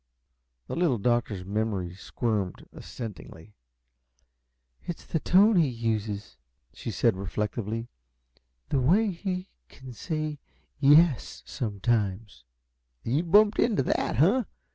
The Little Doctor's memory squirmed assentingly. "It's the tone he uses," she said, reflectively. "The way he can say 'yes,' sometimes " "You've bumped into that, huh?